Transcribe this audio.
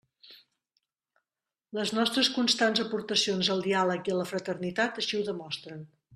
Les nostres constants aportacions al diàleg i a la fraternitat així ho demostren.